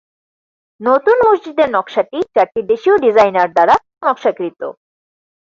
নতুন মসজিদের নকশাটি চারটি দেশীয় ডিজাইনার দ্বারা নকশাকৃত।